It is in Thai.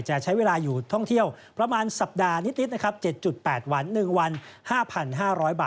จะใช้เวลาอยู่ท่องเที่ยวประมาณสัปดาห์นิดนะครับ๗๘วัน๑วัน๕๕๐๐บาท